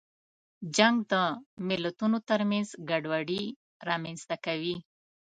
جنګ د ملتونو ترمنځ ګډوډي رامنځته کوي.